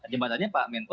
jebatannya pak menko